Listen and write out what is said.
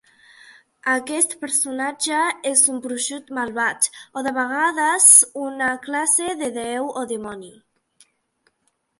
Aquest personatge és un bruixot malvat, o de vegades una classe de déu o dimoni.